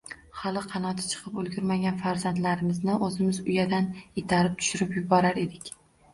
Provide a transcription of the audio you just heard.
Hali qanoti chiqib ulgurmagan farzandlarimizni oʻzimiz uyadan itarib tushirib yuborar edik.